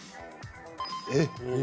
えっ？